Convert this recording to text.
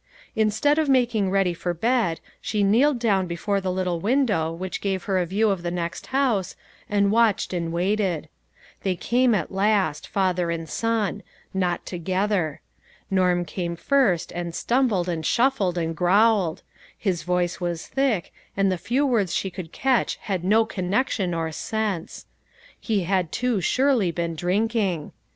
Instead of making ready for bed, she kneeled down before the little window which gave her a view of the next house, and watched and waited. They came at last ; father and son; not together. Norm came first, and stumbled, and shuffled, and growled ; his voice was thick, and the few words she could catch had no connection or sense. He had too surely been drinking.